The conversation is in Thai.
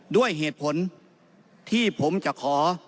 ด้วยเหตุผลที่ผมจะขอ